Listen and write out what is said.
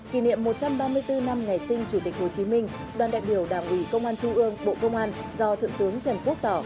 trước năm ngày sinh chủ tịch hồ chí minh đoàn đại biểu đảng ủy công an trung ương bộ công an do thượng tướng trần quốc tỏ